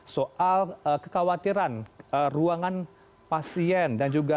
soal kekhawatiran ruangan pasien